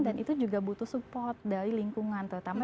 dan itu juga butuh support dari lingkungan terutama